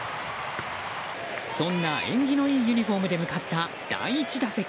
そんな縁起のいいユニホームで向かった第１打席。